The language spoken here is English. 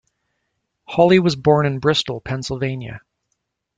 Holly was born in Bristol, Pennsylvania.